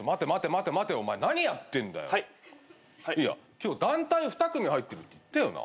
今日団体２組入ってるって言ったよな？